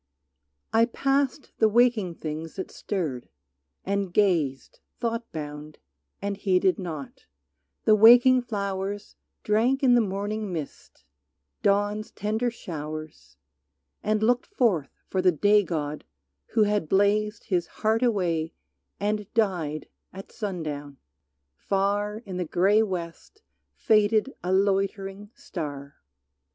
I passed the waking things that stirred and gazed, Thought bound, and heeded not; the waking flowers Drank in the morning mist, dawn's tender showers, And looked forth for the Day god who had blazed His heart away and died at sundown. Far In the gray west faded a loitering star.